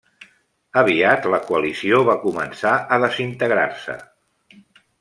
Aviat la Coalició va començar a desintegrar-se.